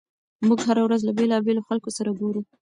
موږ هره ورځ له بېلابېلو خلکو سره ګورو.